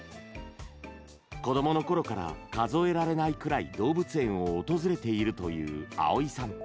子供のころから数えられないくらい、動物園を訪れているという碧泉さん。